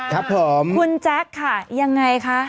ครับผมคุณแจ๊คค่ะยังไงคะ